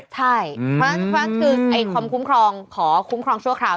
ใช่คือความคุ้มครองขอคุ้มครองชั่วคราว